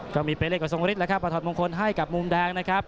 ก็มีไปเล่นกับทรงฤทธิแล้วครับมาถอดมงคลให้กับมุมแดงนะครับ